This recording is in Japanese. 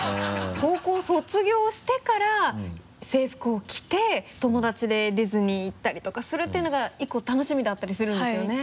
高校卒業してから制服を着て友達でディズニー行ったりとかするっていうのが１個楽しみだったりするんですよね？